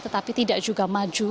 tetapi tidak juga maju